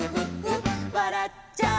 「わらっちゃう」